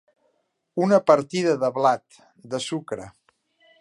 Una partida de blat, de sucre.